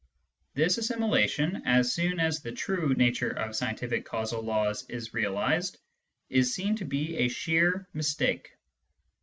This assimilation, as soon as the true nature of scientific causal laws is realised, is seen to be a sheer mistake.